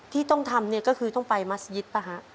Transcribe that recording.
ที่ต้องทำเนี่ยก็คือต้องไปมัศยิตป่ะฮะ